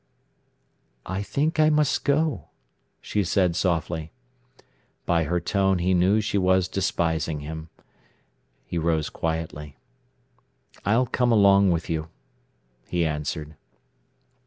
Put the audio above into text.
"I think I must go," she said softly. By her tone he knew she was despising him. He rose quietly. "I'll come along with you," he answered.